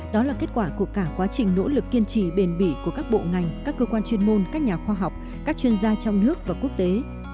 đó là kết quả của cả quá trình nỗ lực kiên trì bền bỉ của các bộ ngành các cơ quan chuyên môn các nhà khoa học các chuyên gia trong nước và quốc tế